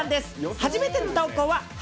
初めての投稿は＃